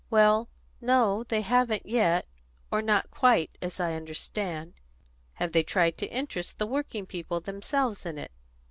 "Well, no, they haven't yet, or not quite, as I understand." "Have they tried to interest the working people themselves in it?